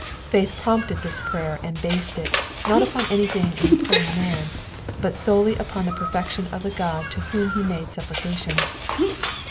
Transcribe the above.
Faith prompted this prayer and based it, nut upon anything in the praying man, but solely upon the perfection of the God to whom he made supplica tidn.